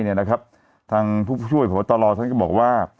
เนี่ยนะครับทางผู้ช่วยผู้ตลอดท่านก็บอกว่า